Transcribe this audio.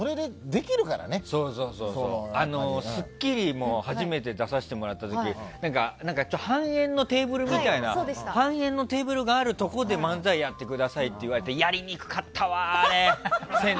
「スッキリ」も初めて出させてもらった時半円のテーブルがあるところで漫才やってくださいって言われてやりにくかったわ、あれ。